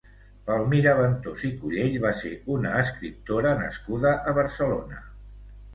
Palmira Ventós i Cullell va ser una escriptora nascuda a Barcelona.